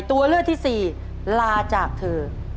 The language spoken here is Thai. ตัวเลือกที่สี่ลาจากเธอ